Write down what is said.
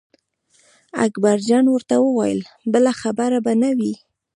اکبر جان ورته وویل بله خبره به نه وي.